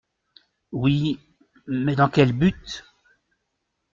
Oui ; mais dans quel but ?